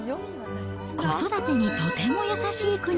子育てにとても優しい国。